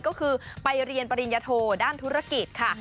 ก็คือไปเรียนปริญญโทด้านธุรกิจค่ะ